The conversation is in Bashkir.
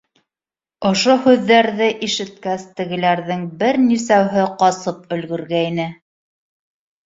— Ошо һүҙҙәрҙе ишеткәс, тегеләрҙең бер нисәүһе ҡасып өлгөргәйне.